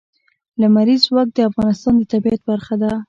لمریز ځواک د افغانستان د طبیعت برخه ده.